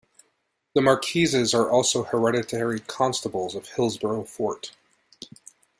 The Marquesses are also Hereditary Constables of Hillsborough Fort.